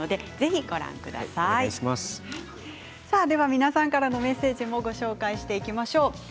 皆さんからのメッセージもご紹介していきましょう。